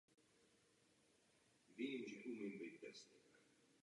Vrhá nás to do velmi obtížné situace.